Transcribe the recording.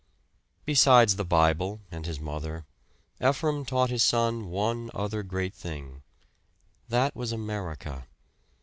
Besides the Bible and his mother, Ephraim taught his son one other great thing; that was America.